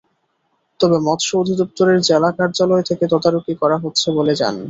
তবে মৎস্য অধিদপ্তরের জেলা কার্যালয় থেকে তদারকি করা হচ্ছে বলে জানি।